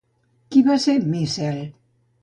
Qui va ser Míscel?